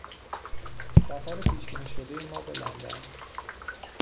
سفر پیش بینی شدهی ما به لندن